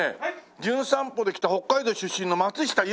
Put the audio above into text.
『じゅん散歩』で来た北海道出身の松下由樹という者。